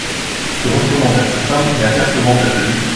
Se retournant vers sa femme et apercevant sa tenue.